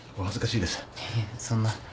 いえいえそんな。